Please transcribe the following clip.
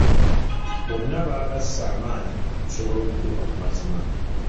Bonna bagasse amaanyi okusobola okutuuka ku mazima.